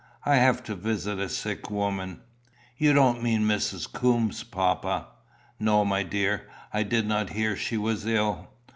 I have to visit a sick woman." "You don't mean Mrs. Coombes, papa?" "No, my dear. I did not hear she was ill."